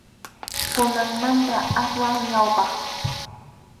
Kunanmanta aswan ñawpaq.